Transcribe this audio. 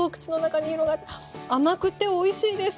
甘くておいしいです！